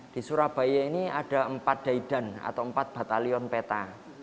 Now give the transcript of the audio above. di surabaya ini ada empat daidan atau empat batalion peta